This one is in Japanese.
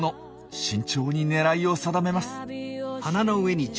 慎重に狙いを定めます。